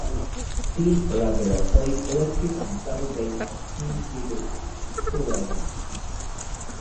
Dean Ravera played electric and double bass on Payne's debut solo album.